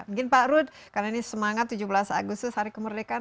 mungkin pak rud karena ini semangat tujuh belas agustus hari kemerdekaan